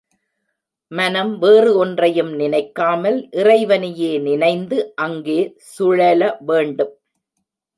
மனம் வேறு ஒன்றையும் நினைக்காமல் இறைவனையே நினைந்து அங்கே சுழல வேண்டும்.